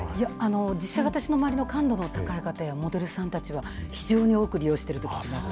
実際、私の周りの感度の高い方やモデルさんたちは、非常に多く利用しているということです。